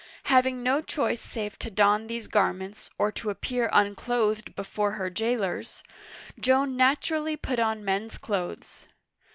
Having no choice save to don these garments, or to appear unclothed before her jailers, Joan naturally put on men's clothes.